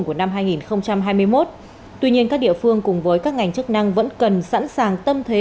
của năm hai nghìn hai mươi một tuy nhiên các địa phương cùng với các ngành chức năng vẫn cần sẵn sàng tâm thế